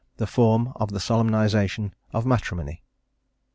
THE FORM OF THE SOLEMNIZATION OF MATRIMONY.